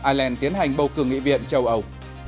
ireland tiến hành bầu cử nghị viện châu âu